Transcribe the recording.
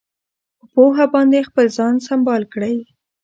په پوهه باندې خپل ځان سمبال کړئ.